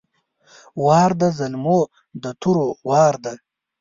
وار ده د زلمو د تورو وار ده!